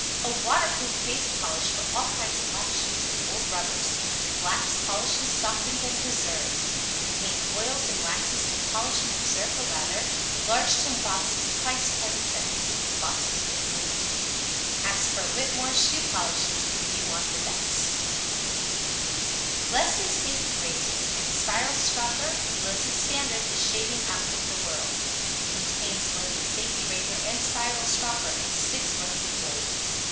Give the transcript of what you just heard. A waterproof paste polish for all kinds of black shoes and old rubbers. Blacks, polishes, softens and preserves. Contains oils and waxes to polish and preserve the leather. Large tin boxes, Price 10c. Boxes open with a key. Ask for Whittemore's Shoe Polishes if you want the BEST, [Illustration: Images of packages.] [Illustration: Images of packages.] Leslie Safety Razors AND SPIRAL STROPPER LESLIE STANDARD The Shaving Outfit of the World Contains Leslie Safety Razor and Spiral Stropper and 6 Leslie Blades.